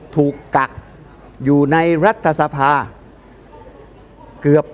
ตอนต่อไป